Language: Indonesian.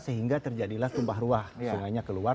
sehingga terjadilah tumpah ruah